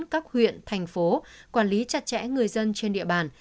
các huyện thành phố quản lý chặt chẽ người dân trên địa bàn